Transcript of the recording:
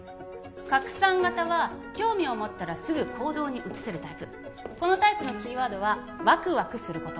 拡散型は興味を持ったらすぐ行動に移せるタイプこのタイプのキーワードは「ワクワクすること」